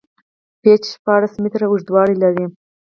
پېچ شپاړس میتره اوږدوالی لري.